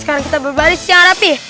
sekarang kita berbalik secara nih